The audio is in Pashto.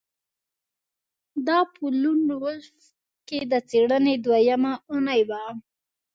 دا په لون وولف کې د څیړنې دویمه اونۍ وه